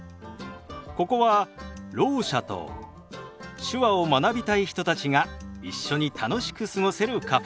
ここはろう者と手話を学びたい人たちが一緒に楽しく過ごせるカフェ。